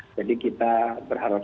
jadi kita berharap